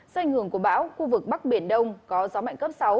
do ảnh hưởng của bão khu vực bắc biển đông có gió mạnh cấp sáu